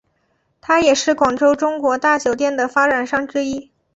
他也是广州中国大酒店的发展商之一。